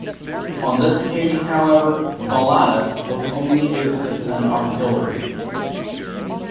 On this occasion, however, Bolanus was only able to send auxiliaries.